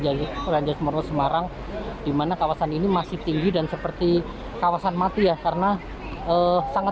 jadi ada berapa anggota keluarga yang di dekasi empat orang